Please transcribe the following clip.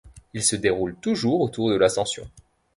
Il se déroule toujours autour de l'Ascension.